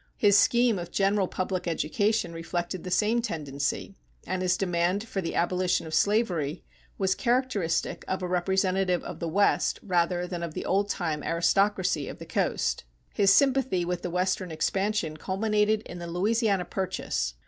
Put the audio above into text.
His scheme of general public education reflected the same tendency, and his demand for the abolition of slavery was characteristic of a representative of the West rather than of the old time aristocracy of the coast. His sympathy with the Western expansion culminated in the Louisiana Purchase.